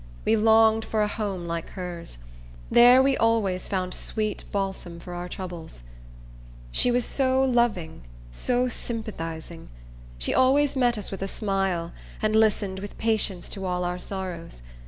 We longed for a home like hers. There we always found sweet balsam for our troubles. She was so loving, so sympathizing! She always met us with a smile, and listened with patience to all our sorrows.